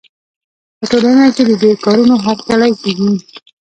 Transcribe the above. په ټولنه کې د دې کارونو هرکلی کېږي.